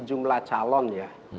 jumlah calon ya